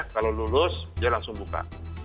kalau lulus dia langsung buka